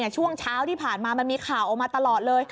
ช่วงเช้าที่ผ่านมามันมีข่าวออกมาตลอดเลย